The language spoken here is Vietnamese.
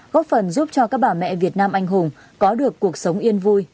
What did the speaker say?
góp phần giúp cho các bà mẹ việt nam anh hùng có được cuộc sống yên vui